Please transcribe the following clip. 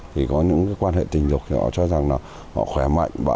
thì có những quan hệ tình dục họ cho rằng là họ khỏe mẹ